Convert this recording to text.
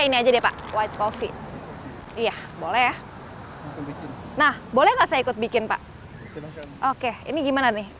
ini aja deh pak white coffee iya boleh nah boleh nggak saya ikut bikin pak oke ini gimana nih